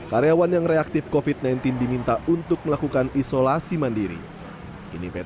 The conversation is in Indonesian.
karyawan yang reaktif covid sembilan belas diminta untuk melakukan isolasi masyarakat dan penyelenggaraan